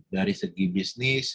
dari segi bisnis